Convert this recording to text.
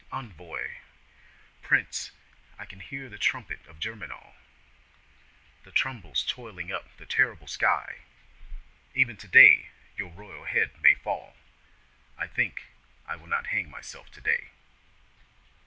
Envoi Prince, I can hear the trumpet of Germinal, The tumbrils toiling up the terrible way; Even today your royal head may fall I think I will not hang myself today.